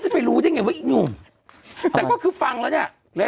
ไม่รู้ไม่เคยกิน